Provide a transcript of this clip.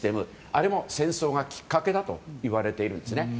あれも戦争がきっかけだといわれているんですね。